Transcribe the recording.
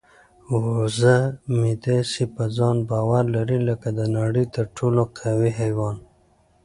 وزه مې داسې په ځان باور لري لکه د نړۍ تر ټولو قوي حیوان.